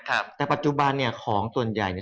ครับแต่ปัจจุบันเนี่ยของส่วนใหญ่เนี่ย